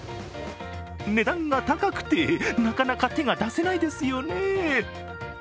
値段が高くてなかなか手が出せないですよね。